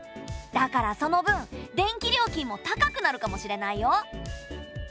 だからその分電気料金も高くなるかもしれないよ。